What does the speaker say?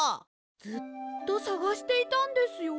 ずっとさがしていたんですよ。